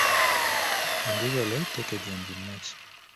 And usually take exams in March.